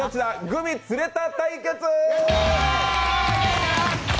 グミつれた対決！